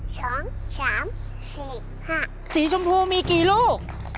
สีชมพูมีกี่ลูก